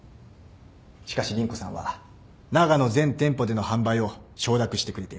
しかし凛子さんはながの全店舗での販売を承諾してくれています。